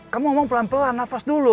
kamu ngomong pelan pelan nafas dulu